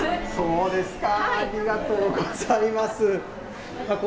そうですか。